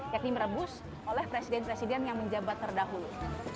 yakni merebus oleh presiden presiden yang menjabat terdahulu